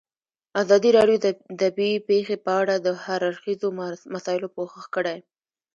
ازادي راډیو د طبیعي پېښې په اړه د هر اړخیزو مسایلو پوښښ کړی.